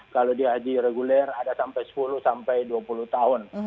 kalau di haji reguler ada sampai sepuluh sampai dua puluh tahun